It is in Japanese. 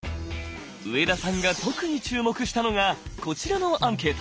上田さんが特に注目したのがこちらのアンケート。